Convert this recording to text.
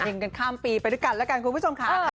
กันข้ามปีไปด้วยกันแล้วกันคุณผู้ชมค่ะ